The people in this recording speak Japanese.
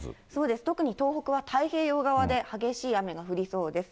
特に東北は太平洋側で激しい雨が降りそうです。